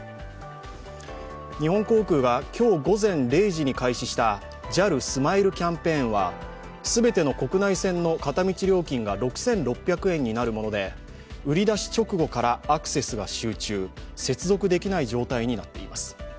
日本航空が今日午前０時に開始したＪＡＬスマイルキャンペーンは全ての国内線の片道料金が６６００円になるもので、売り出し直後からアクセスが集中、接続できない状態になっています。